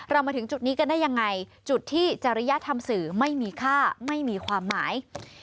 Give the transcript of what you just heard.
มาถึงจุดนี้กันได้ยังไงจุดที่จริยธรรมสื่อไม่มีค่าไม่มีความหมาย